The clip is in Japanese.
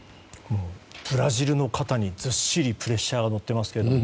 ブラジルの肩にずっしりプレッシャーが載ってますけれども。